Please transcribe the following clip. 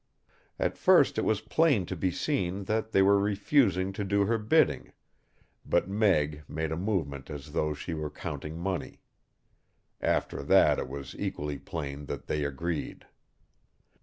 At first it was plain to be seen that they were refusing to do her bidding, but Meg made a movement as though she were counting money. After that it was equally plain that they agreed.